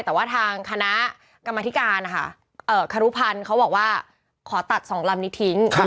แต่ว่าทางคณะกรรมธิการนะคะเอ่อคณะกรรมธิการเขาบอกว่าขอตัด๒ลำนี้ทิ้ง